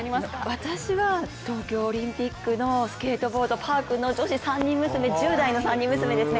私は東京オリンピックのスケートボードパークの女子、１０代の３人娘ですね。